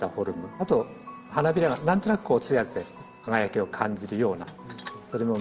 あと花びらが何となくつやつやして輝きを感じるようなそれも魅力です。